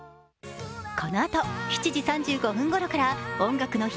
このあと７時３５分ごろから「音楽の日」